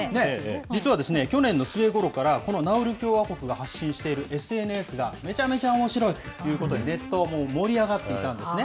実は去年の末頃から、このナウル共和国が発信しているＳＮＳがめちゃめちゃおもしろいということで、ネットはもう盛り上がっていたんですね。